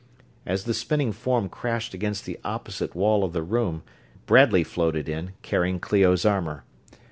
As the spinning form crashed against the opposite wall of the room, Bradley floated in, carrying Clio's armor.